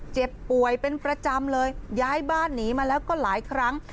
เจ็บป่วยเป็นประจำเลยย้ายบ้านหนีมาแล้วก็หลายครั้ง